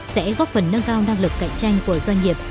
sẽ góp phần nâng cao năng lực cạnh tranh của doanh nghiệp